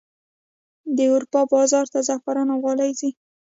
د اروپا بازار ته زعفران او غالۍ ځي